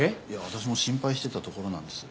私も心配してたところなんです。